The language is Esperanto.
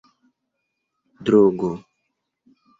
drogo